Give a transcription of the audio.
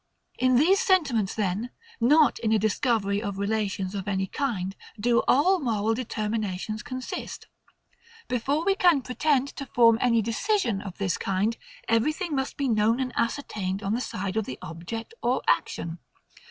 In these sentiments then, not in a discovery of relations of any kind, do all moral determinations consist. Before we can pretend to form any decision of this kind, everything must be known and ascertained on the side of the object or action.